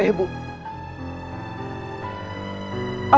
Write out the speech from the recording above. ibu belum ngerti juga